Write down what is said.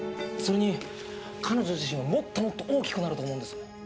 それに彼女自身ももっともっと大きくなると思うんですよ。